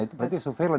itu berarti suvelen